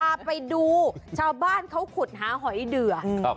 พาไปดูชาวบ้านเขาขุดหาหอยเดือครับ